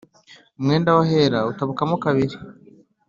Umwenda w’ahera utabukamo kabiri